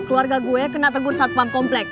keluarga gue kena tegur satpam komplek